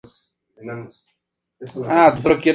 Jugaba en el Harrow Bridge Club.